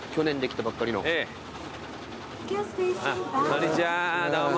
こんにちはどうも。